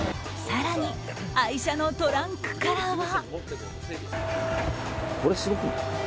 更に、愛車のトランクからは。